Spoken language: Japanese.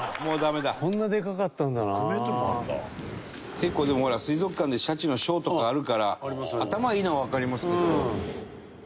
結構でもほら水族館でシャチのショーとかあるから頭いいのはわかりますけど。